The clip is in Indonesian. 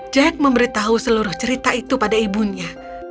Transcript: jack memberitahu seluruh cerita itu pada ibunya